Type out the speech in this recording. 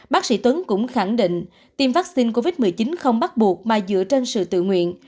bác sĩ tuấn cũng khẳng định tiêm vaccine covid một mươi chín không bắt buộc mà dựa trên sự tự nguyện